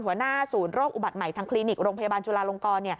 หัวหน้าศูนย์โรคอุบัติใหม่ทางคลินิกโรงพยาบาลจุลาลงกร